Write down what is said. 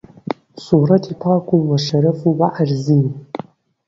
سوورەتی پاک و شەرەف و عەرزی